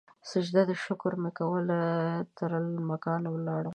سجده د شکر مې کول ترلا مکان ولاړمه